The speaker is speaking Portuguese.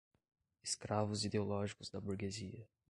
escravos ideológicos da burguesia